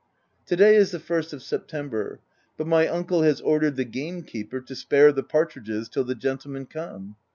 To day is the first of September; but my uncle has ordered the gamekeeper to spare the partridges till the gentlemen come.